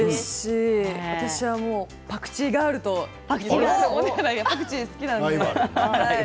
大好きですし私はもうパクチーガールというぐらいパクチーが好きなので。